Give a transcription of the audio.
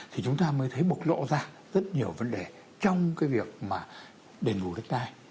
thì chúng ta mới thấy bột lộ ra rất nhiều vấn đề trong việc đền ngủ đất đai